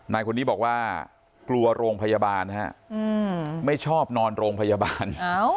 นายคนนี้บอกว่ากลัวโรงพยาบาลฮะไม่ชอบนอนโรงพยาบาล